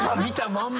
まんま